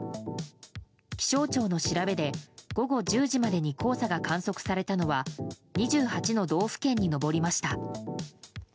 気象庁の調べで午後１０時までに黄砂が観測されたのは２８の道府県に上りました。